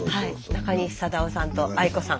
中西貞男さんとアイ子さん。